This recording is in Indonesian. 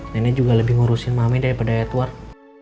nenek juga lebih ngurusin mami daripada edward